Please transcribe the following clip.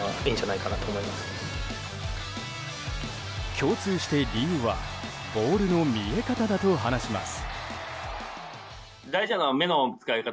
共通して理由はボールの見え方だと話します。